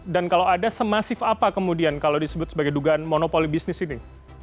dan kalau ada semasif apa kemudian kalau disebut sebagai dugaan monopoli bisnis ini